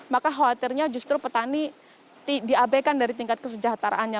maka khawatirnya justru petani diabaikan dari tingkat kesejahteraannya